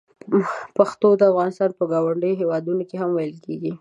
پښتو د افغانستان په ګاونډیو هېوادونو کې هم ویل کېږي.